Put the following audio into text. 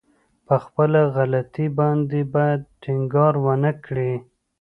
په خپله غلطي باندې بايد ټينګار ونه کړي.